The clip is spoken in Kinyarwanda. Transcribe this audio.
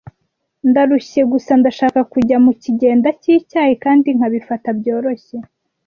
Ndarushye. Gusa ndashaka kujya mukigenda cyicyayi kandi nkabifata byoroshye.